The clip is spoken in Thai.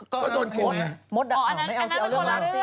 ก็โดนโกรธไงมดดำไม่เอาสิเอาเรื่องร่างสิ